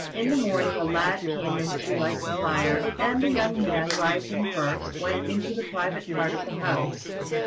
In the morning a lad came in to light the fire; and the young man, rising first, went into the private part of the house.